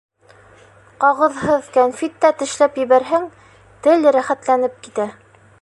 Ҡағыҙһыҙ кәнфит тә тешләп ебәрһәң, тел рәхәтләнеп китә.